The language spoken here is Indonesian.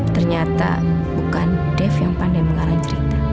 ternyata bukan dev yang pandai mengarang cerita